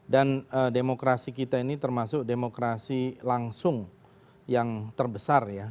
dan demokrasi kita ini termasuk demokrasi langsung yang terbesar ya